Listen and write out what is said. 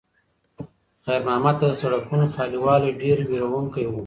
خیر محمد ته د سړکونو خالي والی ډېر وېروونکی و.